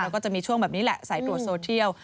ก็จะมีช่วงแบบนี้แหละสายตรวจโซเทียล